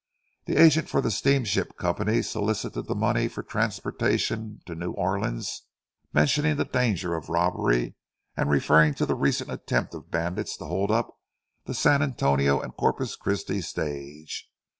The agent for the steamship company solicited the money for transportation to New Orleans, mentioning the danger of robbery, and referring to the recent attempt of bandits to hold up the San Antonio and Corpus Christi stage.